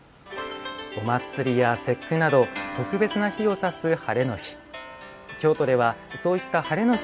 お祭りや節句など特別な日を指すハレの日。